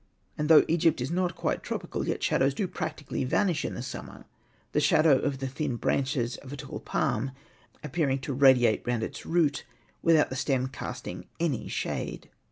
And though Egypt is not quite tropical, yet shadows do practically vanish in the summer, the shadow of the thin branches of a tall palm appearing to radiate round its root without the stem casting any shade.